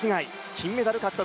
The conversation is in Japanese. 金メダル獲得。